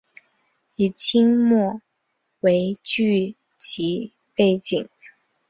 以清末为剧集背景。